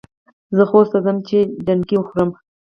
زه خوست ته ځم چي ډنډکۍ وخورم.